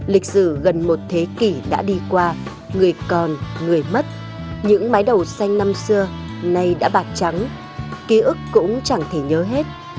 lịch sử gần một thế kỷ đã đi qua người còn người mất những máy đầu xanh năm xưa nay đã bạt trắng ký ức cũng chẳng thể nhớ hết